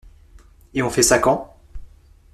Et on fait ça quand?